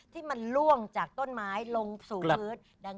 ที่มันล่วงจากต้นไม้ลงสู่พื้น